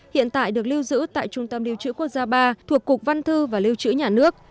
hiện tại được lưu giữ tại trung tâm lưu trữ quốc gia ba thuộc cục văn thư và lưu trữ nhà nước